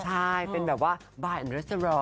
ใช่เป็นแบบว่าบ้านรสเตอรอล